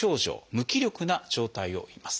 無気力な状態をいいます。